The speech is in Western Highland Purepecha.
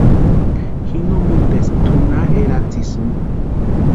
Ji no miteska tʼu na eratsisïni.